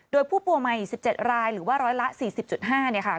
โดยผู้ป่วยใหม่๑๗รายหรือว่าร้อยละ๔๐๕เนี่ยค่ะ